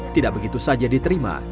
tidak begitu saja diterima